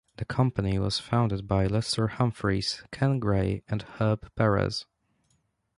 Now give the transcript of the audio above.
The company was founded by Lester Humphreys, Ken Grey, and Herb Perez.